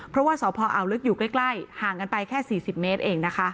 เพราะว่าสพอ่าวลึกอยู่ใกล้ห่างกันไปแค่๔๐เมตรเองนะคะ